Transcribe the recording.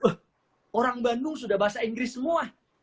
oh orang bandung sudah bahasa inggris semua